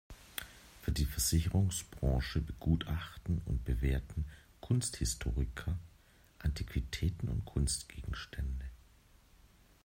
Für die Versicherungsbranche begutachten und bewerten Kunsthistoriker Antiquitäten und Kunstgegenstände.